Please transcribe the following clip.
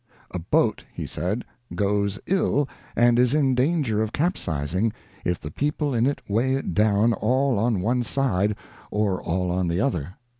A boat, he said, goes ill, and is in danger of capsizing, if the people in it weigh it down all on one side, or all on the other.